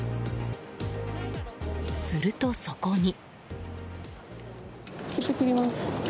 すると、そこに。